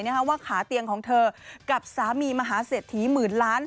ว่าขาเตียงของเธอกับสามีมหาเศรษฐีหมื่นล้าน